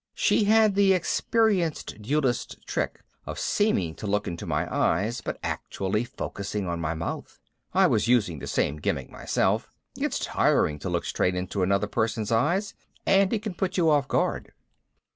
She had the experienced duelist's trick of seeming to look into my eyes but actually focussing on my mouth. I was using the same gimmick myself it's tiring to look straight into another person's eyes and it can put you off guard.